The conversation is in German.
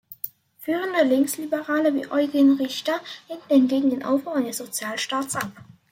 Führende Linksliberale wie Eugen Richter lehnten hingegen den Aufbau eines Sozialstaats ab.